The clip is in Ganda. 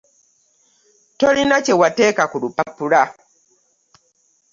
Tolina kye wateeka ku lupapula.